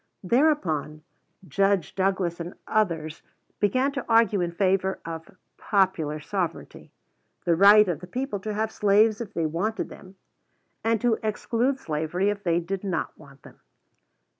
Thereupon Judge Douglas and others began to argue in favor of "Popular Sovereignty," the right of the people to have slaves if they wanted them, and to exclude slavery if they did not want them.